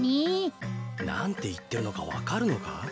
なんていってるのかわかるのか？